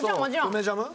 梅ジャム？